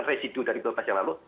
itu akan residu dari pilpres yang lalu